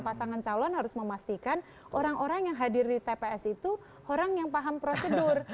pasangan calon harus memastikan orang orang yang hadir di tps itu orang yang paham prosedur